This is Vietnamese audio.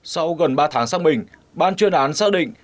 sau gần ba tháng xác bình ban chuyên án xác định